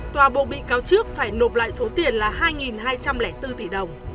tòa bộ bị cáo trước phải nộp lại số tiền là hai hai trăm linh bốn tỷ đồng